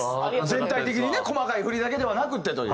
全体的にね細かい振りだけではなくてという。